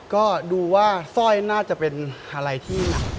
ก็ดูว่าสร้อยน่าจะเป็นอะไรที่